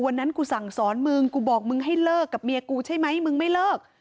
วันนั้นกูสั่งสอนมึงกูบอกมึงให้เลิกกับเมียกูใช่ไหมมึงไม่เลิก